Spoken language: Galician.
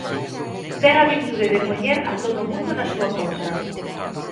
Ten a virtude de poñer a todo o mundo na súa contra.